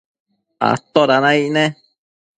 ¿atoda naic ne?